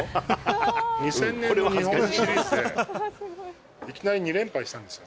２０００年の日本シリーズで、いきなり２連敗したんですよ。